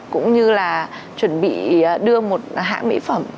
cũng như là chuẩn bị đưa một hãng mỹ phẩm